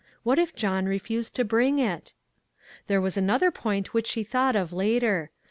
What if John refused to bring it ? There was another point which she thought of later.